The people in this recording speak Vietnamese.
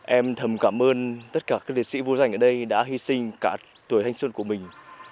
em thầm cảm ơn tất cả các liệt sĩ vô giành ở đây đã hy sinh cả tuổi thanh xuân của mình